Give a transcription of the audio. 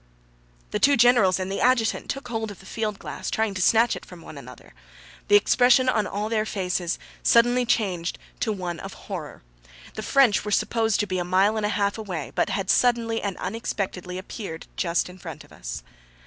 The two generals and the adjutant took hold of the field glass, trying to snatch it from one another. The expression on all their faces suddenly changed to one of horror. The French were supposed to be a mile and a half away, but had suddenly and unexpectedly appeared just in front of us.